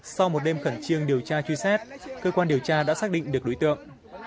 sau một đêm khẩn trương điều tra truy xét cơ quan điều tra đã xác định được đối tượng